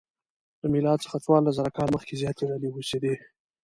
له میلاد څخه څوارلسزره کاله مخکې زیاتې ډلې اوسېدې.